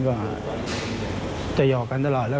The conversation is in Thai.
ก็จะหอกกันตลอดแล้ว